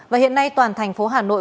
và hiện nay toàn thành phố hà nội